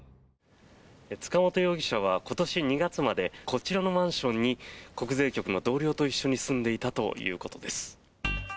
塚本容疑者は今年２月までこちらのマンションに国税局の同僚と一緒に住んでいたということです。